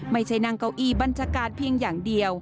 ไม่ใช่นั่งเก้าอี้บัญชาการเพียงอย่างเดียว